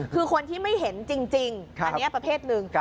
คือคนที่ไม่เห็นจริงอันนี้ประเภทหนึ่ง